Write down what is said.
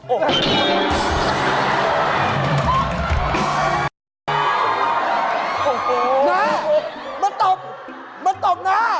โอ้โหมามาตบมาตบนา